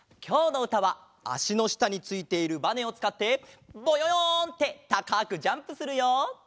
きょうのうたはあしのしたについているばねをつかって「ぼよよん」ってたかくジャンプするよ。